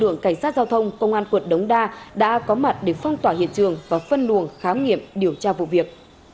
cảnh sát giao thông công an quận đống đa đã có mặt để phong tỏa hiện trường và phân luồng khám nghiệm điều tra vụ việc